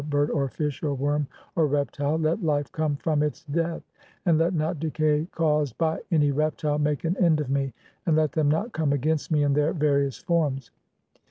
"bird, or fish, or worm, or reptile. Let life [come] from its death, 1 "and let not decay caused by any reptile make an end [of me], "and let them not come against (i3) me in their [various] forms.